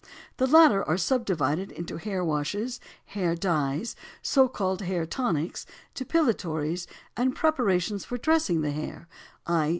The latter are subdivided into hair washes, hair dyes, so called hair tonics, depilatories, and preparations for dressing the hair, _i.